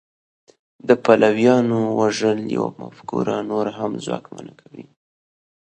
د پلویانو وژل یوه مفکوره نوره هم ځواکمنه کوي